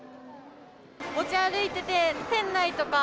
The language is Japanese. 持ち歩いてて、店内とか、